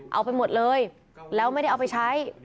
เอาไปหมดเลยแล้วไม่ได้เอาไปใช้